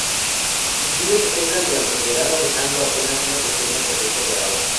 El río se seca durante el verano, dejando apenas una pequeña corriente de agua.